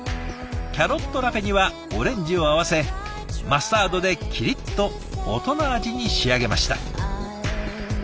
キャロットラペにはオレンジを合わせマスタードでキリッと大人味に仕上げました。